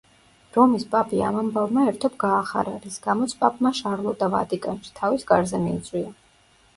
რომის პაპი ამ ამბავმა ერთობ გაახარა, რის გამოც პაპმა შარლოტა ვატიკანში, თავის კარზე მიიწვია.